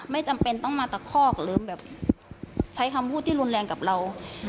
ไม่จำเป็นต้องมาตะคอกหรือแบบใช้คำพูดที่รุนแรงกับเรา